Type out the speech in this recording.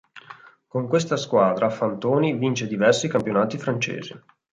Con questa squadra Fantoni vince diversi campionati francesi.